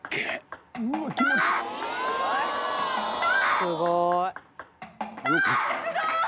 すごい！